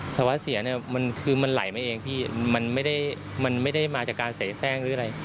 สารวัฒน์เสียคือมันไหลมาเองมันไม่ได้มาจากการเสียแทรกหรืออะไร